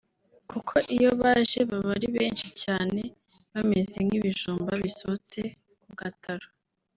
kuko iyo baje baba ari benshi cyane bameze nk’ibijumba bisotse ku gataro